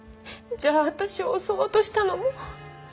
じゃあ私を襲おうとしたのも？